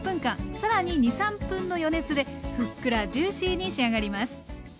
さらに２３分の余熱でふっくらジューシーに仕上がります。